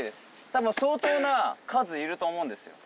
多分相当な数いると思うんですよ